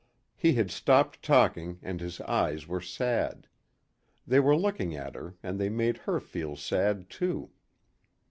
He had stopped talking and his eyes were sad. They were looking at her and they made her feel sad, too.